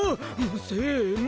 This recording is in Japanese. せの！